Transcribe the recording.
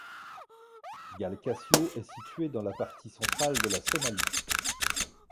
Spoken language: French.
Galkacyo est située dans la partie centrale de la Somalie.